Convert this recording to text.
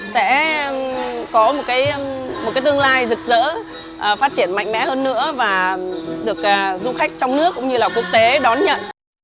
sẽ có một cái tương lai rực rỡ phát triển mạnh mẽ hơn nữa và được du khách trong nước cũng như là quốc tế đón nhận